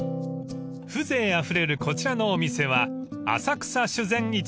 ［風情あふれるこちらのお店は］